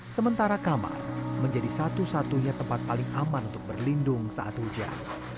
sementara kamar menjadi satu satunya tempat paling aman untuk berlindung saat hujan